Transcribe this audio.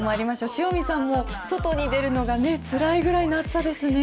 塩見さんも外に出るのがね、つらいぐらいの暑さですね。